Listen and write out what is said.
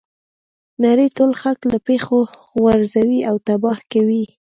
نړۍ ټول خلک له پښو غورځوي او تباه کوي.